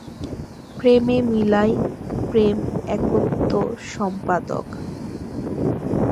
প্রেমে মিলায়, প্রেম একত্বসম্পাদক।